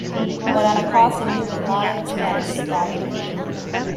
But at a cost in human lives that is staggering.